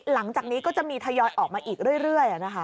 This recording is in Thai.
หลังจากนี้ก็จะมีทยอยออกมาอีกเรื่อยนะคะ